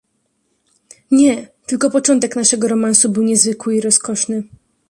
"Nie, tylko początek naszego romansu był niezwykły i rozkoszny."